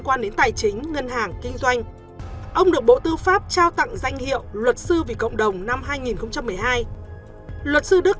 kết doanh ông được bộ tư pháp trao tặng danh hiệu luật sư vì cộng đồng năm hai nghìn một mươi hai luật sư đức